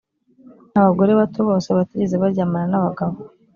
abagore bato bose batigeze baryamana n’abagabo.